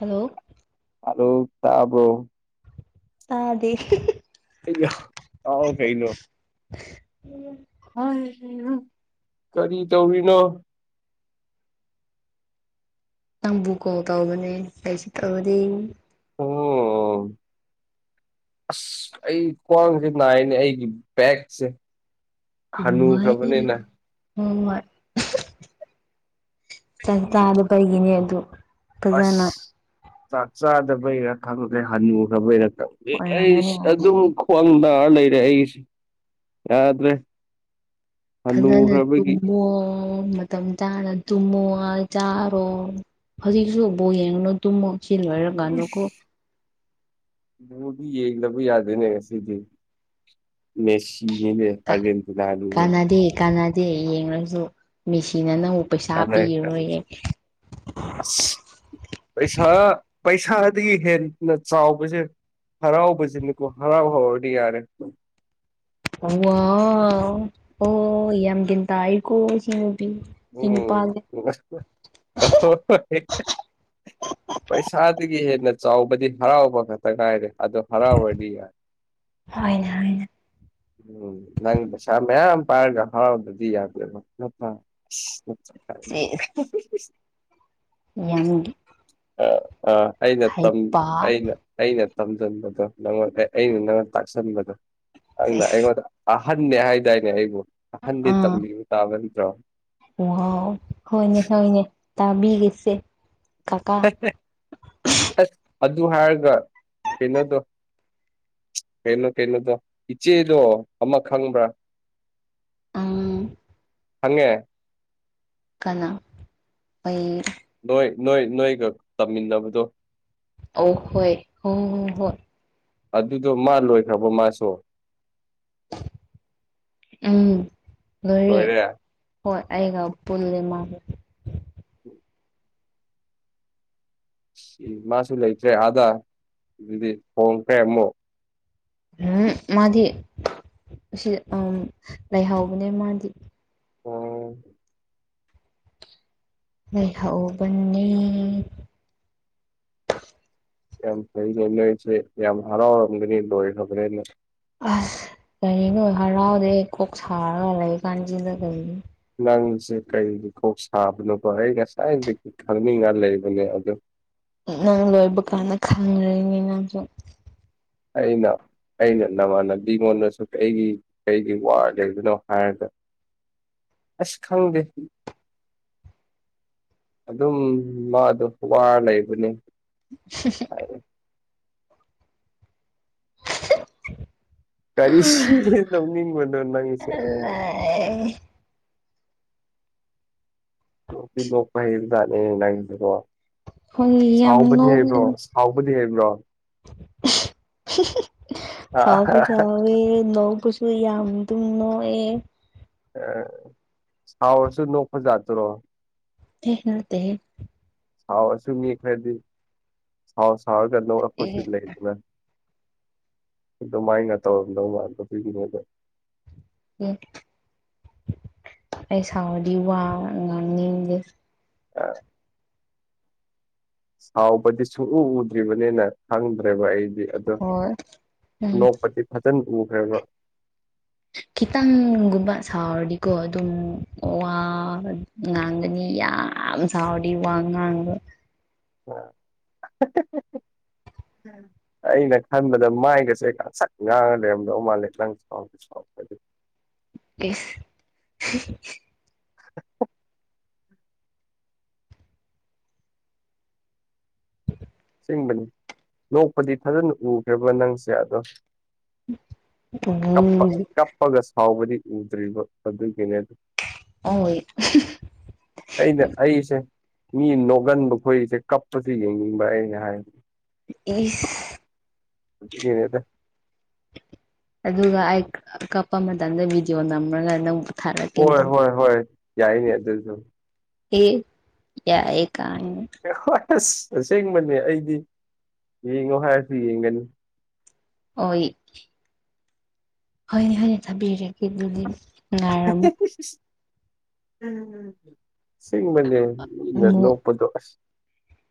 hello hello ꯇꯥꯕ꯭ꯔꫭ ꯇꯥꯗꯦ ꯑꯩꯌꯥ ꯇꯥꯎ ꯀꯩꯅꯣ ꯎꯝ ꯀꯔꯤ ꯇꯧꯔꯤꯅꯣ ꯅꯪꯕꯨꯀꯣꯜ ꯇꯧꯕꯅꯦ ꯀꯁꯤ ꯇꯗꯦ ꯑꯣ ꯑꯁ ꯑꯩ ꯈ꯭ꯋꯥꯡꯁꯦ ꯅꯥꯏꯅꯦ ꯑꯩꯒꯤ ꯕꯦꯛꯁꯦ ꯍꯅꯨꯈ꯭ꯔꯕꯅꯦꯅ ꯎꯝ ꯍꯣꯏ ꯆꯥꯀ ꯆꯗ ꯕꯩꯒꯤꯅꯦ ꯑꯗꯨ ꯄꯖꯅ ꯑꯁ ꯆꯥꯛ ꯆꯥꯗꯕꯩꯔꯥ ꯈꯪꯗ꯭ꯔꯦ ꯍꯅꯨꯈ꯭ꯔꯕꯩꯔꯥ ꯈꯪꯗꯦ ꯑꯩ ꯑꯣꯏꯔꯝꯒꯅꯤ ꯑꯗꯨꯝ ꯑꯣꯏꯔꯝꯒꯅꯤ ꯈ꯭ꯋꯥꯡꯗ ꯋꯥ ꯂꯩꯔꯦꯁꯤ ꯌꯥꯗ꯭ꯔꯦ ꯑꯗꯨꯅꯦ ꯍꯟꯅꯨꯈ꯭ꯔꯕꯒꯤ ꯇꯨꯝꯃ ꯃꯇꯝ ꯆꯥꯅ ꯇꯨꯝꯃꯣ ꯆꯥꯔꯣ ꯍꯧꯖꯤꯛꯁꯨꯕꯣ ꯌꯦꯡꯉꯨꯅꯣ ꯇꯨꯝꯃꯣ ꯁꯤ ꯂꯣꯏꯔꯥ ꯀꯥꯟ ꯗꯥ ꯏꯁ ꯕꯣꯜꯗꯤ ꯌꯦꯡꯂꯕ ꯌꯥꯗꯣꯏꯅꯦ ꯉꯁꯤꯗꯤ ꯃꯦꯁꯤ ꯒꯤꯅꯦ ꯑꯔꯖꯦꯟꯇꯤꯅ ꯅꯤꯅꯦ ꯌꯦꯡꯔꯁꯨ ꯃꯦꯁꯤꯅ ꯅꯥꯪꯕꯨ ꯑꯁ ꯄꯩꯁꯥ ꯄꯩꯁꯥꯗꯒꯤ ꯍꯦꯟꯅ ꯆꯥꯎꯕꯁꯦ ꯍꯔꯥꯎꯕꯁꯤꯅꯀꯣ ꯍꯔꯥꯎꯍꯧꯔꯗꯤ ꯌꯥꯔꯦ ꯑꯋꯥ ꯑꯣ ꯌꯥꯝꯒ ꯇꯥꯏꯀꯣ ꯁꯤ ꯁꯤ ꯎꯝ ꯅꯨꯄꯥꯁꯦ [unintelligible] ꯄꯩꯁꯥꯗꯒꯤ ꯍꯦꯟꯅ ꯆꯥꯎꯕꯗꯤ ꯍꯔꯥꯎꯕ ꯈꯛꯇ ꯉꯥꯏꯔꯦ ꯑꯗꯣ ꯍꯔꯥꯎꯕꯗꯤ ꯍꯣꯏꯅꯦ ꯍꯣꯏ ꯅꯦ ꯎꯝ ꯅꯪ ꯄꯩꯁꯥ ꯃꯌꯥꯝ ꯄꯥꯏꯔꯒ ꯍꯥꯎ ꯗꯗꯤ ꯌꯥꯗꯦ ꯁꯤꯁ [unintelligible] [unintelligible] ꯑ ꯑ ꯑꯩꯅ ꯇꯝ ꯍꯩꯄꯥ ꯑꯩꯅ ꯑꯩꯅ ꯇꯝꯖꯟꯕꯗꯣ ꯅꯪꯉꯣꯟꯗ ꯑꯩꯅ ꯅꯪꯉꯣꯟ ꯇꯥꯛꯁꯟꯕꯗꯣ ꯅꯪꯅ ꯁꯤꯁ ꯑꯩꯉꯣꯟꯗ ꯑ ꯑꯍꯟꯅꯅꯦ ꯍꯥꯏꯗꯥꯏꯅꯦ ꯑꯩꯕꯨ ꯑꯍꯟꯗꯤ ꯑꯥ ꯇꯝꯕꯤꯕꯨ ꯇꯥꯕ ꯅꯠꯇ꯭ꯔꯣ ꯋꯥꯎ ꯍꯣꯏꯅꯦ ꯍꯣꯏꯅꯦ ꯇꯥꯕꯤꯒꯁꯦ ꯑꯗꯨ ꯍꯥꯏꯔꯒ ꯀꯩꯅꯣꯗꯣ ꯀꯩꯅꯣ ꯀꯩꯅꯣꯗꯣ ꯏꯆꯦꯗꯣ ꯑꯃ ꯈꯪꯕ꯭ꯔꯥ ꯑꯪ ꯈꯪꯉꯦ ꯀꯅꯥ ꯑꯣꯏ ꯅꯣꯏ ꯅꯣꯏ ꯅꯣꯏꯒ ꯇꯝꯃꯤꯟꯅꯕꯗꯣ ꯑꯣ ꯍꯣꯏ ꯍ ꯍꯣ ꯍꯣꯏ ꯑꯗꯨꯗꯣ ꯃꯥ ꯂꯣꯏꯈ꯭ꯔꯕꯣ ꯃꯥꯁꯨ ꯎꯝ ꯂꯣꯏꯔꯦ ꯍꯣꯏ ꯑꯩꯒ ꯄꯨꯜꯂꯤꯃ [unintelligible] ꯁꯤ ꯃꯥꯁꯨ ꯂꯩꯇ꯭ꯔꯦ ꯑꯥꯗ ꯑꯗꯨꯗꯤ ꯍꯣꯡꯈ꯭ꯔꯦ ꯑꯃꯨꯛ ꯎꯝ ꯃꯥꯗꯤ ꯁꯤ ꯂꯩꯍꯥꯎꯕꯅꯦ ꯃꯥꯗꯤ ꯑꯣ ꯂꯩꯍꯥꯎꯕꯅꯤ ꯌꯥꯝ ꯐꯩꯅ ꯅꯣꯏꯁꯦ ꯌꯥꯝ ꯍꯔꯥꯎ ꯑꯅꯤ ꯂꯣ ꯈꯕꯔꯦ ꯑꯁ ꯀꯔꯤꯅꯣ ꯍꯔꯥꯎꯗꯦ ꯀꯣꯛ ꯁꯥꯔꯒ ꯂꯩ ꯀꯥꯟꯁꯤꯗ ꯀꯔꯤꯅꯣ ꯅꯪꯁꯦ ꯀꯩꯒꯤ ꯀꯣꯛ ꯁꯥꯕꯅꯣꯀꯣ ꯑꯩ ꯉꯁꯥꯏ ꯈꯪꯅꯤꯡꯉ ꯂꯩꯕꯅꯦ ꯑꯗꯣ ꯅꯪ ꯂꯣꯏꯕ ꯀꯥꯟꯗ ꯈꯪꯔꯤꯅꯤ ꯅꯪꯁꯨ ꯑꯩꯅ ꯑꯩꯅ ꯅꯃꯥꯟꯅꯕꯤꯉꯣꯟꯗꯁꯨ ꯀꯩꯒꯤ ꯀꯩꯒꯤ ꯋꯥ ꯂꯩꯕꯅꯣ ꯍꯥꯏꯔꯒ ꯑꯁꯈꯪꯗꯦꯍꯤ ꯑꯗꯨꯝ ꯃꯥ ꯑꯗꫭ ꯋꯥꯔ ꯂꯩꯕꯅꯦ ꯍꯥꯏ [unintelligible] ꯀꯔꯤꯁꯤ ꯇꯧꯅꯤꯡ ꯃꯗ ꯅꯪꯁꯦ ꯤ ꯂ ꯀꯍꯤꯅꯤ [unintelligible] ꯍꯣꯏ ꯌꯥꯝ ꯁꯥꯎꯕꯗꯤ ꯅꯣꯛꯂꯤ ꯍꯩꯕ꯭ꯔꯣ ꯁꯥꯎꯕꯗꯤ ꯍꯩꯕ꯭ꯔꯣ ꯁꯥꯎꯁꯨ ꯍꯥꯎꯏ ꯅꫭꯛꯁꯨ ꯀꯨꯁꯨ ꯌꯥꯝ ꯑꯗꯨꯝ ꯅꯣꯛꯑꯦ ꯁꯥꯎꯔꯁꯨ ꯅꯣꯛꯄꯖꯥꯠꯇꯨꯔꫭ ꯇ‌ꯦ ꯅꯠꯇ‌ꯦꯍ‌ꯦ ꯁꯥꯎꯔꯁꯨ ꯃꯤ ꯈꯔꯗꯤ ꯁꯥꯎ ꯁꯥꯎꯔꯒ ꯑꯦ ꯅꯔꯛꯄꯁꯨ ꯂꯩꯗꯅ ꯑꯗꯨꯃꯥꯏꯅ ꯇꯧꯔꯝꯗꯧ ꯃꯥꯟꯕ ꯑꯗꯨꯏꯒꯤꯅꯦꯗ ꯑꯩ ꯁꯥꯎꯗꯤ ꯋꯥ ꯉꯥꯡꯅꯤꯡꯗ‌ꯦ ꯑ ꯁꯥꯎꯕꯗꯤ ꯁꯨꯎ ꯎꯗ꯭ꯔꯤꯕꯅꯤꯅ ꯈꯪꯗ꯭ꯔꯦꯕ ꯑꯩ ꯑꯗꯣ ꯍꯣꯏ ꯎꯝ ꯅꯣꯛꯄꯗꯤ ꯐꯖꯅ ꯎꯈ꯭ꯔꯕ [unintelligible] ꯈꯤꯇꯪꯒꯨꯝꯕ ꯁꯥꯎꯔꯗꯤꯀꯣ ꯑꯗꯨꯝ ꯋꯥ ꯉꯥꯡꯒꯅꯤ ꯌꯥꯝ ꯌꯥꯝ ꯁꯥꯎꯔꯗꯤ ꯋꯥꯉꯥꯡꯕ [unintelligible] ꯑꯩꯅ ꯈꯟꯕꯗ ꯃꯥꯏꯒꯁꯦ ꯉꯥꯛꯁꯛ ꯉꯥꯡꯉ ꯂꯩꯔꯝꯗꯧ ꯃꯥꯜꯂꯦ ꯅꯪ ꯁꯥꯎ ꯗꯤ ꯁꯥꯎꯒꯅꯨ ꯏꯁꯁ [unintelligible] [unintelligible] ꯑꯁ‌ꯦꯡꯕꯅꯤ ꯂꯣꯛꯄꯗꯤ ꯐꯖꯅ ꯎꯈ꯭ꯔꯕ ꯅꯪꯁꯦ ꯑꯗꯣ ꯀꯞꯄ ꯎꯝ [unintelligible] ꯀꯞꯄꯒ ꯁꯥꯎꯕꯗꯤ ꯎꯗ꯭ꯔꯤꯕ ꯑꯗꯨꯒꯤꯅꯦ ꯑꯗꯨ ꯑꯣꯏ ꯑꯩꯅꯦ ꯑꯁꯦ ꯃꯤ ꯅꯣꯛꯒꯟꯕ ꯈꯣꯁꯦ ꯀꯞꯄꯁꯦ ꯌꯦꯡꯅꯤꯡꯕ ꯑꯩꯅ ꯍꯥꯏꯕꯗꯤ ꯏꯁ ꯑꯗꯨꯒꯤꯅ‌ꯦꯗ ꯑꯗꯨꯒ ꯑꯩ ꯀꯞꯄ ꯃꯇꯝꯗ ꯚꯗꯤꯑꯣ ꯅꯝꯃꯒ ꯅꯪ ꯍꯣꯏ ꯍꯣꯏ ꯍꯣꯏ ꯌꯥꯏꯅꯦ ꯑꯗꯨꯁꯨ ꯏꯤ ꯌꯥꯏꯑꯦ ꯀꯥꯏꯅ ꯍꯣꯏ ꯑꯁ ꯑꯁꯦꯡꯕꯅꯦ ꯑꯩꯗꯤ ꯌꯦꯡꯅ‌ꯦ ꯍꯥꯏꯔꯁꯨ ꯌꯦꯡꯒꯅꯤ ꯍꫭꯏ ꯍꫭꯏꯅꯦ ꯍꫭꯏꯅꯦ ꯊꯕꯤꯔꯔꯒꯦ ꯑꯗꯨꯗꯤ ꯎꯝ ꯉꯥꯏꯔꯝꯃꯨ [unintelligible] ꯑꯁꯤꯡꯕꯅꯦ ꯃꯤꯅ ꯂꯣꯛꯄꯗꯣ ꯑꯁ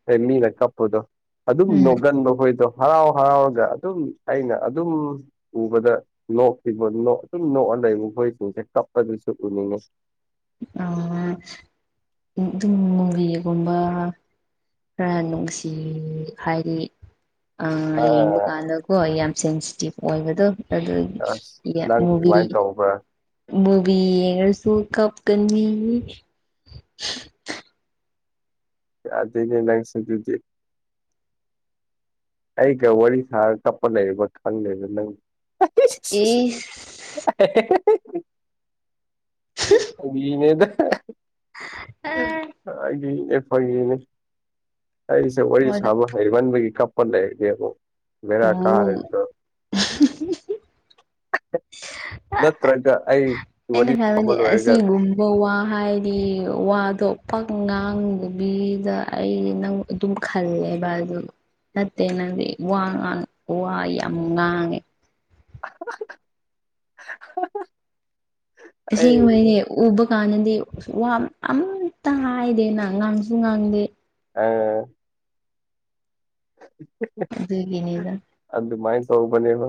ꯅꯠꯇ‌ꯦ ꯃꯤꯅ ꯀꯞꯄꯗꯣ ꯑꯗꯨꯝ ꯎꯝ ꯅꯣꯛꯒꯟꯕꯈꯣꯏꯗꯣ ꯍꯔꯥꯎ ꯍꯔꯥꯎꯔꯒ ꯑꯗꯨꯝ ꯑꯩꯅ ꯑꯗꯨꯝ ꯎꯕꯗ ꯅꯣꯛꯈꯤꯕ ꯑꯗꯨꯝ ꯅꯣꯛꯑ ꯂꯩꯕꯈꫭꯁꯤꯡꯖ‌ꯦ ꯀꯄꯗꯁꯨ ꯎꯅꯤꯡꯉ‌ꯦ ꯑꯥ ꯏꯝ ꯃꯨꯕꯤꯒꯨꯝꯕ ꯈꯔ ꯅꯨꯡꯁꯤ ꯍꯥꯏꯗꯤ ꯑꯥ ꯌꯦꯡꯕ ꯀꯥꯟꯗꯀꯣ ꯑꯩ ꯌꯥꯝ ꯁꯦꯟꯁꯤꯇꯤꯞ ꯑꯣꯏꯕꯗꯣ ꯑꯗꯨ ꯑꯁ ꯅꯪ ꯃꯨꯕꯤ ꯑꯗꯨꯃꯥꯏꯅ ꯇꯧꯕ꯭ꯔꯥ ꯃꯨꯕꯤ ꯌ‌ꯦꯡꯉꯁꯨ ꯀꯞ ꯀꯅꯤ ꯌꯥꯗ‌ꯦꯅ‌ꯦ ꯅꯪꯁ‌ꯦ ꯑꯗꯨꯗꯤ ꯑꯩꯒ ꯋꯥꯔꯤ ꯁꯥꯔꯒ ꯀꯞꯄ ꯂꯩꯔ ꯈꯪꯗꯔ ꯅꯪ ꯑꯦꯁ [unintelligible] ꯅꯦꯗꯅꯦ ꯑ [unintelligible] ꯐꯉꯅꯦ ꯑꯩꯁꯦ ꯋꯥꯔꯤ ꯍꯣꯏꯗ ꯁꯥꯕ ꯍꯩꯃꯟꯕꯒꯤ ꯀꯞꯄ ꯂꯩꯔꯒꯦꯕ ꯃꯕꯔ ꯎ ꯀꯥꯔꯗ ꯑ ꯅꯁꯔꯒ ꯑꯩ ꯑꯩꯅ ꯋꯥꯔꯤ ꯁꯥꯕ ꯈꯪꯕꯗꯤ ꯂꯣꯏꯔꯒ ꯑꯁꯤꯒꯨꯝꯕꯧ ꯋꯥ ꯍꯥꯏꯗꯤ ꯋꯥꯗꯣ ꯄꯛ ꯉꯥꯡꯗꯨꯕꯤꯗ ꯑꯩ ꯅꯪ ꯑꯗꯨꯝ ꯈꯜꯂꯦꯕ ꯑꯗꯨ ꯅꯠꯇꯦꯡꯅꯗꯤꯦ ꯋꯥ ꯉ ꯋꯥ ꯉꯥꯡꯉꯦ [unintelligible] ꯍ ꯑꯩ ꯃꯅꯦ ꯑꯗꯨꯀꯥꯟꯅꯗꯤ ꯋꯥ ꯑꯃꯇ ꯍꯥꯏꯗꯦ ꯅ ꯉꯥꯡꯁꯨ ꯉꯥꯡꯗꯦ ꯑ ꯑꯗꯨꯒꯤꯅꯤꯗ ꯑꯗꯨ ꯑꯗꯨ ꯃꯥꯏꯟ ꯁꯅꯦꯕ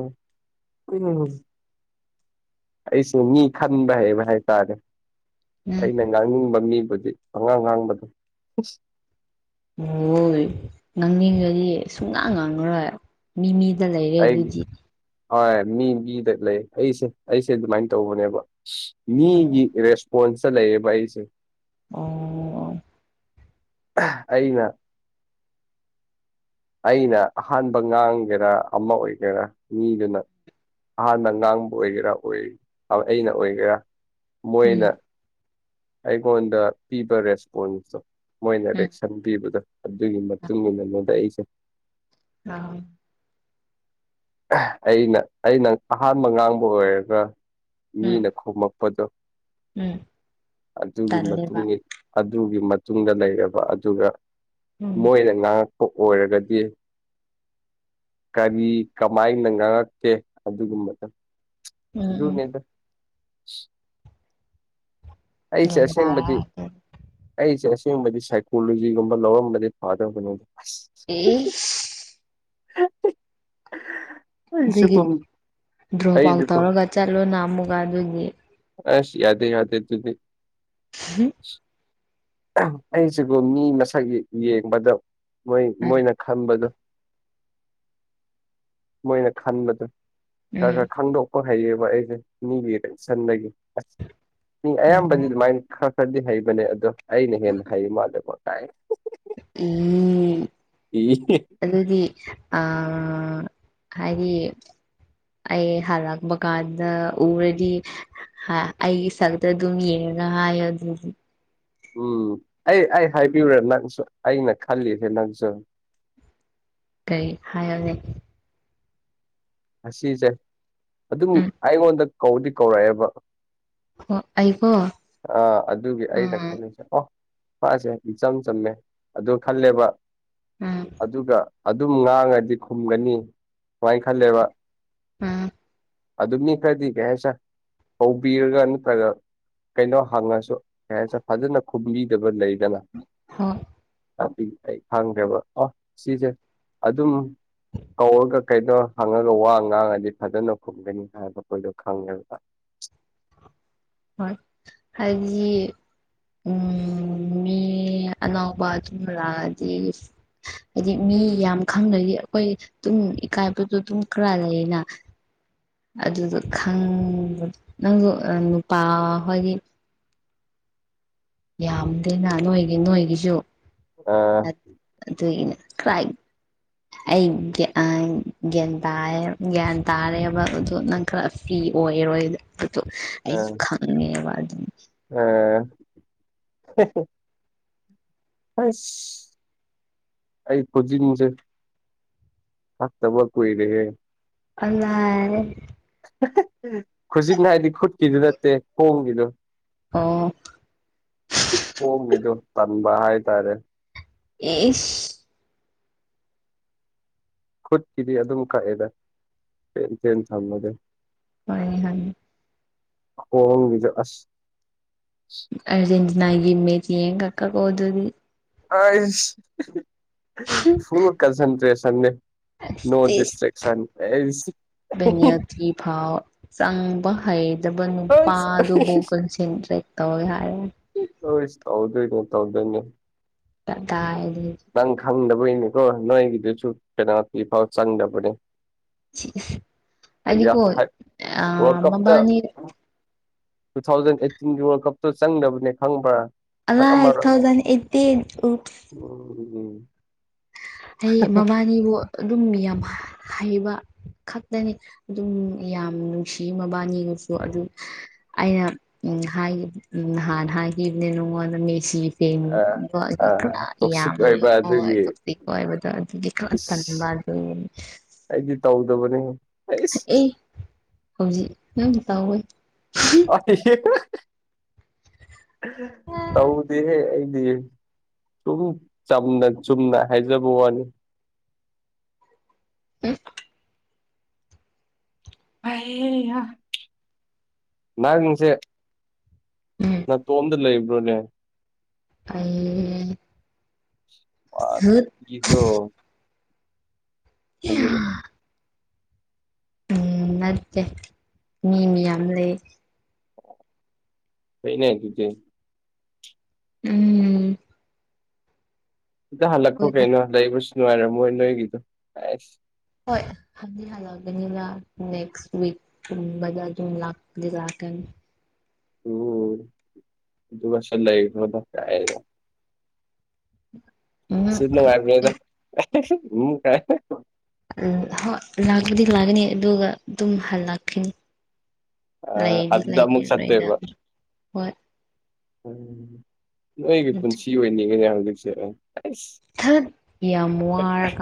ꯑꯩꯁꯨ ꯃꯤ ꯈꯟꯕ ꯍꯥꯏꯕ ꯍꯥꯏꯇꯥꯔꯦ ꯎꯝ ꯑꯩꯅ ꯉꯥꯡꯅꯤꯡꯕ ꯃꯤ ꯍꯧꯈꯗꯤ ꯑꯉꯥꯡ ꯉꯥꯡꯕꯗꯣ ꯍꯣꯏ ꯉꯥꯡꯅꯤꯡꯒꯗꯤ ꯁꯨꯡꯅꯥꯥꯡ ꯉꯥꯡꯉꯔꯣꯏ ꯃꯤ ꯃꯤ ꯂꯩꯔꯦ ꯑꯩꯒꯤ ꯑꯗꯨꯗꯤ ꯍꯣꯏ ꯃꯤ ꯃꯤꯗ ꯂꯩ ꯑꯩꯁꯦ ꯑꯩꯁꯦ ꯑꯗꯨꯃꯥꯏꯅ ꯇꯧꯕꯅꯦꯕ ꯃꯤꯒꯤ ꯔꯦꯁꯄꯣꯟꯁꯇ ꯂꯩꯌꯦꯕ ꯑꯩꯁꯦ ꯑꯣ ꯑꯩꯅ ꯑꯩꯅ ꯑꯍꯥꯟꯕ ꯉꯥꯡꯒꯦꯔꯥ ꯑꯃ ꯑꯣꯏꯒꯦꯔꯥ ꯃꯤꯗꯨꯅ ꯑꯍꯥꯟꯅ ꯉꯥꯡꯕ ꯑꯣꯏꯒꯦꯔꯥ ꯑꯣꯏ ꯑꯩꯅ ꯑꯣꯏꯒꯦꯔꯥ ꯃꯣꯏꯅ ꯎꯝ ꯑꯩꯉꯣꯟꯗ ꯄꯤꯕ ꯔꯦꯁꯄꯣꯟꯁꯇꯣ ꯃꯣꯏꯅ ꯎꯝ ꯔꯦꯛꯁꯟ ꯄꯤꯕꯗꯣ ꯑꯗꯨꯒꯤ ꯃꯇꯨꯡꯉꯣꯟꯗ ꯑꯩ ꯑꯥ ꯑꯩꯅ ꯑꯩꯅ ꯑꯍꯥꯟꯕ ꯉꯥꯡꯕ ꯑꯣꯏꯔꯒ ꯎꯝ ꯃꯤꯅ ꯈꯣꯃꯛꯄ ꯎꯝ ꯑꯗꯨꯒꯤ ꯇꯜꯂꯦꯕ ꯃꯇꯨꯡ ꯑꯗꯨꯒꯤ ꯃꯇꯨꯡꯗ ꯂꯩꯔꯕ ꯑꯗꯨꯒ ꯎꯝ ꯃꯣꯏꯅ ꯉꯉ ꯑꯣꯏꯔꯒꯗꯤ ꯀꯔꯤ ꯀꯃꯥꯏꯅ ꯉꯥꯡꯉꯛꯀꯦ ꯑꯗꯨꯒꯨꯝꯕꯗ ꯎꯝ ꯎꯝ ꯑꯗꯨꯅꯦꯗ ꯑꯩ ꯆꯁꯦꯕꯤ ꯂꯦꯝꯕꯥꯔ ꯑꯩ ꯆꯁ ꯒꯨꯝꯕꯗꯤ ꯁꯥꯏꯀꯣꯂꯣꯖꯤꯒꯨꯝꯕ ꯂꯧꯔꯝꯕꯗꯤ ꯄꯥꯗꯕꯅꯤꯗ ꯎ ꯍ ꯑꯗꯨꯒꯤ ꯗ꯭ꯔꯣꯞ ꯑꯥꯎꯠ ꯑꯩꯁꯨꯀꯣ ꯇꯧꯔꯒ ꯆꯠꯂꯣ ꯅꯝ ꯑꯃꯨꯒ ꯑꯗꯨꯒꯤ ꯑꯁ ꯌꯥꯗꯦ ꯌꯥꯗꯦ ꯑꯗꯨꯗꯤ ꯎꯝ ꯑꯩꯁꯤꯕꯨ ꯃꯤ ꯃꯁꯛ ꯌꯦꯡꯕꯗ ꯃꯣꯏ ꯎꯝ ꯃꯣꯏꯅ ꯈꯟꯕꯗꯣ ꯃꯣꯏꯅ ꯈꯟꯕꯗꯨ ꯈꯔ ꯈꯟꯗꯣꯛ ꯐꯩꯌꯦꯕ ꯑꯩꯁꯦ ꯃꯤꯒꯤ ꯁꯟꯒꯤ ꯑꯁ ꯃꯤ ꯎꯝ ꯑꯣ ꯑꯌꯥꯝꯕꯗꯤ ꯑꯗꯨꯃꯥꯏꯅ ꯈ ꯈꯔꯗꯤ ꯍꯩꯕꯅꯦ ꯑꯗꯣ ꯑꯩꯅ ꯍꯦꯟꯅ ꯍꯩꯕ ꯃꯥꯜꯂꯦꯀꯣ ꯇꯥꯏ ꯎ ꯑꯗꯨꯗꯤ ꯑ ꯍꯥꯏꯔꯤ ꯑꯩ ꯍꯂꯛꯄ ꯀꯥꯟꯗ ꯎꯔꯗꯤ ꯑꯩ ꯁꯛꯇ ꯑꯗꯨꯝ ꯌꯦꯡꯉ ꯍꯥꯏ ꯌꯗ꯭ꯔꯗꯤ ꯎꯝ ꯑꯩ ꯑꯩ ꯍꯥꯏꯕꯤꯌꯨꯨꯔꯥ ꯅꯪꯁꯨ ꯑꯩꯅ ꯈꯜꯂꯤꯁꯦ ꯅꯪꯁꯨ ꯀꯩ ꯍꯥꯏꯒꯦ ꯑꯁꯤꯁꯦ ꯑꯗꯨꯝ ꯎꯝ ꯑꯩꯉꯣꯟꯗ ꯀꯧꯗꯤ ꯀꯧꯔꯛꯑꯦꯕ ꯍꯣ ꯑꯩꯀꯣ ꯑꯥ ꯑꯗꯨꯒꯤ ꯑꯩꯅ ꯎꯝ ꯈꯜꯂꯤꯁꯦ ꯑꯣ ꯐꯁꯦ ꯏꯆꯝ ꯆꯝꯃꯦ ꯑꯣ ꯈꯜꯂꯦꯕ ꯎꯝ ꯑꯗꯨꯒ ꯑꯗꯨꯝ ꯉꯥꯡꯉꯗꯤ ꯈꯨꯝꯒꯅꯤ ꯁꯨꯃꯥꯏꯅ ꯈꯜꯂꯦꯕ ꯑꯝ ꯑꯗꯨ ꯑꯗꯨꯝ ꯃꯤ ꯀꯗꯤ ꯀꯦꯁ ꯀꯧꯕꯧꯕꯤꯔꯒ ꯅꯠꯇ꯭ꯔꯒ ꯀꯩꯅꯣ ꯍꯪꯉꯁꯨ ꯀ ꯍꯥꯏꯦ ꯐꯖꯅ ꯈꯨꯝꯕꯤꯗꯕ ꯂꯩ ꯍ ꯄꯤ ꯑꯩ ꯈꯪꯈ꯭ꯔꯦꯕ ꯑꯣ ꯁꯤꯁꯦ ꯑꯗꯨꯝ ꯀꯧꯔꯒ ꯀꯩꯅꯣ ꯍꯪꯉꯒ ꯂ ꯋꯥ ꯉꯥꯡꯉꯗꯤ ꯐꯖꯅ ꯈꯨꯝꯒꯅꯤ ꯍꯥꯏꯕ ꯑꯩꯈꯣꯏꯗꯣ ꯈꯪꯉꯦ ꯍꯥꯏꯗꯤ ꯎꯝ ꯃꯤ ꯑꯅꯥꯎꯕꯥ ꯔꯖꯤ ꯍꯥꯏꯗꯤ ꯃꯤ ꯌꯥꯝ ꯈꯪꯅꯗꯤ ꯑꯩꯈꯣꯏ ꯑꯗꯨꯝ ꯏꯀꯥꯏꯕꯗꯣ ꯑꯗꯨꯝ ꯈꯔ ꯂꯩꯌꯦꯅ ꯑꯗꯨꯗꯣ ꯈꯪꯕ ꯅꯪꯁꯨ ꯅꯨꯄꯥ ꯍꯣꯏꯒꯤ ꯌꯥꯝꯗꯦꯅ ꯅꯣꯏꯒꯤ ꯅꯣꯏꯒꯤꯁꯨ ꯑꯥ ꯑꯗꯨꯒꯤꯅꯦ ꯀ꯭ꯔꯥꯏ ꯑꯩ ꯒ꯭ꯌꯥꯟ ꯇꯥ ꯒ꯭ꯌꯥꯟ ꯇꯥꯔꯦꯕ ꯑꯗꯨ ꯅꯪ ꯈꯔ ꯐꯤ ꯑꯣꯏꯔꯣꯏ ꯑꯗꯨꯣ ꯑꯥ ꯑꯩꯁꯨ ꯈꯪꯉꯦꯕ ꯑꯗꯨꯝ ꯑꯥ [inaudible] ꯑꯁ ꯑꯩ ꯈꯨꯖꯤꯟꯁꯦ ꯐꯠꯇꯕ ꯀꯨꯏꯔꯦꯍꯦ ꯑꯔꯦ ꯈꯨꯖꯤꯠ ꯍꯥꯏꯅꯥ ꯍꯥꯏꯗꯤ ꯈꯨꯠꯀꯤꯗꯨ ꯅꯠꯇꯦ ꯈꯣꯡꯒꯤꯗꯨ ꯑꯣ ꯍ ꯃꯤꯗꯨꯣ ꯇꯟꯕ ꯍꯥꯏ ꯇꯔꯦ ꯏꯁ ꯈꯨꯠꯀꯤꯗꯤ ꯑꯗꯨꯝ ꯀꯛꯑꯦꯗ ꯆꯦꯟ ꯊꯝꯕꯗꯦ ꯍ ꯍꯥꯏ ꯍꯣꯡꯣꯡꯒꯦꯖꯣ ꯑꯁ ꯑꯔꯖꯦꯟꯇꯤꯅꯥꯒꯤ ꯏꯃꯦꯁꯤ ꯌꯦꯡ ꯀꯀꯒ ꯍꯗꯗꯤ ꯐꯨꯜ ꯀꯟꯁꯟꯇ꯭ꯔꯦꯁꯟꯅꯦ ꯅꯣ ꯑꯁ ꯏꯁ ꯗꯤꯁꯇꯔꯤꯛ ꯁꯟ ꯄꯦꯅꯦꯜꯇꯤ ꯐꯥꯎ ꯆꯪꯕ ꯍꯩꯇꯕ ꯅꯨꯄꯥꯗꯨꯕꯨ ꯀꯟꯁꯦꯟꯇ꯭ꯔꯦꯠ ꯇꯧꯋꯦ ꯍꯥꯏꯔꯦ ꯍꯣꯏꯁ ꯇꯧꯗꯣꯏꯅꯦ ꯇꯧꯗꯣꯏꯅꯦ ꯇꯥꯏ ꯅꯪ ꯈꯪꯗꯕꯒꯤꯅꯦꯀꯣ ꯅꯣꯏꯒꯤꯗꯨꯁꯨ ꯀꯩꯅꯣꯇꯤꯐꯥꯎ ꯆꯪꯗꯕꯅꯦ ꯁꯤꯁ ꯑ ꯍꯥꯏꯗꯤꯀꯣ ꯍꯥꯏ ꯑ ꯋꯥꯔ ꯀꯞꯇ ꯃꯕꯥꯅꯤ ꯇꯨ ꯊꯥꯎꯖꯟ ꯑꯩꯠꯇꯤꯟꯒꯤ ꯋꯥꯔꯜ ꯀꯞꯇꯣ ꯆꯪꯗꯕꯅꯦ ꯈꯪꯕ꯭ꯔꯥ ꯑ ꯈꯪꯉꯝꯃꯔꯣꯏ ꯊꯥꯎꯖꯟ ꯑꯩꯠꯇꯤ ꯎꯝ ꯍ ꯃꯕꯥꯥꯅꯤꯕꯨ ꯑꯗꯨꯝ ꯌꯥꯝ ꯍꯩꯕ ꯈꯛꯇꯅꯤ ꯑꯗꯨꯝ ꯌꯥꯝ ꯅꯨꯡꯁꯤ ꯃꯕꯥꯅꯤꯅꯁꯨ ꯑꯗꯨꯝ ꯑꯩꯅ ꯎ ꯍꯥꯏ ꯎ ꯅꯥꯟ ꯍꯥꯏ ꯏꯅꯤꯦꯅ ꯃꯦꯁꯤ ꯑ ꯁꯦꯝꯕ ꯑ ꯇꯣꯛꯁꯤꯛ ꯌꯥꯝ ꯑꯣꯏꯕ ꯍꯣꯏ ꯑꯗꯨꯒꯤ ꯍꯥꯏꯕꯗ ꯑꯗꯨꯒꯤ ꯏꯁ ꯈꯔꯟꯕ ꯂꯩ ꯗꯕꯅꯤ ꯑꯦ ꯍꯧꯖꯤ ꯑ ꯍꯄ ꯇꯧꯗꯦꯍꯦ ꯁꯨꯝ ꯆꯝꯅ ꯆꯨꯝꯅ ꯍꯥꯏꯖꯕ ꯋꯥꯅꯤ ꯍ ꯍ ꯅꯥꯒꯡꯁꯦ ꯎꯝ ꯅꯇꯣꯝꯗ ꯂꯩꯕ꯭ꯔꯣꯅꯦ ꯑꯩ ꯁꯨꯠ ꯑꯗꯣ [unintelligible] ꯑ ꯎꯝ ꯅꯠꯇꯦ ꯃꯤ ꯃꯤ ꯌꯥꯝ ꯂꯩ ꯀꯩꯅꯦ ꯀꯖꯦ ꯎꯝ ꯁꯤꯗ ꯍꯜꯂꯛꯈꯣ ꯍꯣꯏꯗ ꯀꯩꯅꯣ ꯂꯩꯛꯕꯁꯨ ꯅꯨꯡꯉꯥꯏꯔꯝ ꯃꯣꯏ ꯅꯣꯏꯒꯤꯗꯣ ꯑꯁ ꯍꯣꯏꯒꯅꯤꯂ ꯅꯦꯛꯁꯛ ꯃꯥ ꯑꯗꯨ ꯂꯥꯛꯂꯤꯥꯛ ꯀ [unintelligible] ꯎ ꯑꯗꯨꯃꯁ ꯂꯗꯛꯇꯦꯒ ꯎꯝ ꯁꯤ ꯅ ꯃꯥꯂꯗ ꯀ ꯍꯣꯏ ꯂꯥꯛꯄꯗꯤ ꯂꯥꯛꯀꯅꯤ ꯑꯗꯨꯒ ꯑꯗꯨꯝ ꯍꯜꯂꯛꯀꯅꯤ ꯑ ꯑꯗꯨꯗ ꯑꯃꯨꯛ ꯁꯠꯇꯕ ꯍꯣꯏ ꯎꯝ ꯅꯣꯏꯒꯤ ꯄꯨꯟꯁꯤ ꯑꯣꯏꯅꯤꯡꯉꯤꯅꯦ ꯍꯧꯖꯤꯛꯁꯦ ꯑꯩ ꯊꯠ ꯌꯥꯝ ꯋꯥꯔꯒ